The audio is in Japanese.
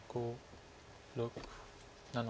６７。